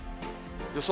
予想